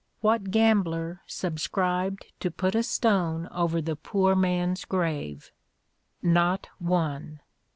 What gambler subscribed to put a stone over the poor man's grave? Not one!